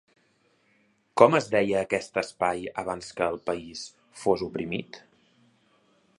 Com es deia aquest espai abans que el país fos oprimit?